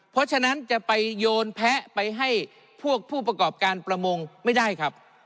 เพราะฉะนั้นจะไปโยนแพ้ไปให้พวกผู้ประกอบการประมงไม่ได้ครับ